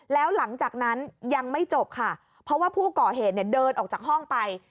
แล้วหลังจากนั้นยังไม่จบค่ะเพราะว่าผู้ก่อเหตุเนี่ยเดินออกจากห้องไป